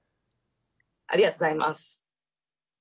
ありがとうございます。